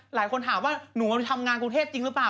หลายคนถามว่าหนูทำงานกรุงเทพจริงหรือเปล่า